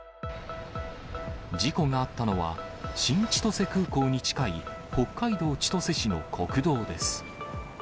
事故があったのは、新千歳空港に近い北海道千歳市の国道です。